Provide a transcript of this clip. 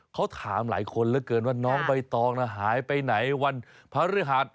เขาถามหลายคนเหลือเกินว่าน้องใบตองหายไปไหนวันพระฤหัส